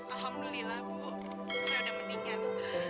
alhamdulillah bu saya sudah meninggal